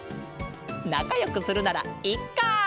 なかよくするならいっか！